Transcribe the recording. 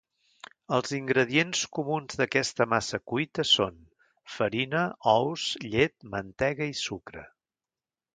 Els ingredients comuns d'aquesta massa cuita són: farina, ous, llet, mantega i sucre.